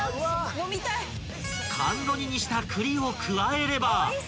［かんろ煮にした栗を加えれば］